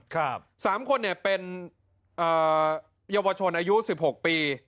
๓คนเป็นเยาวชนอายุ๑๖ปี